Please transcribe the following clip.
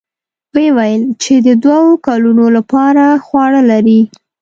ويې ويل چې د دوو کلونو له پاره خواړه لري.